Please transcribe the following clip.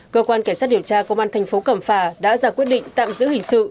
cơ quan cảnh sát điều tra công an thành phố cẩm phà đã ra quyết định tạm giữ hình sự